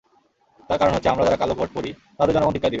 তার কারণ হচ্ছে, আমরা যারা কালো কোট পরি, তাদের জনগণ ধিক্কার দেবে।